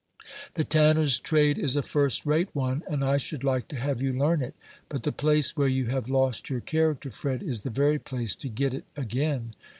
"The tanner's trade is a first rate one, and I should like to have you learn it; but the place where you have lost your character, Fred, is the very place to get it again.